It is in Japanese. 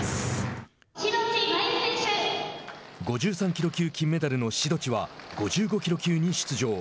５３キロ級金メダルの志土地は５５キロ級に出場。